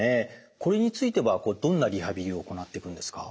これについてはどんなリハビリを行ってくんですか？